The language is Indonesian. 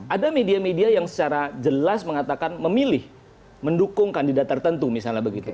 ada media media yang secara jelas mengatakan memilih mendukung kandidat tertentu misalnya begitu